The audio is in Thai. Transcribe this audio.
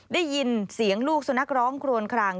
ได้ยินเสียงลูกสุนัขร้องครวนคลาง